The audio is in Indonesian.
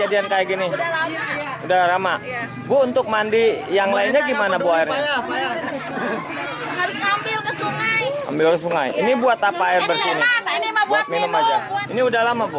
ini buat apa air bersih ini buat minum aja ini udah lama bu